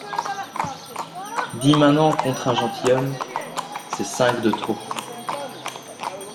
Dix manants contre un gentilhomme, c’est cinq de trop.